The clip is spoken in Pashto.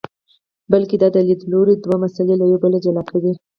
بلکې دا لیدلوری دوه مسئلې له یو بل جلا کوي.